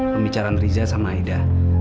pembicaraan riza sama aida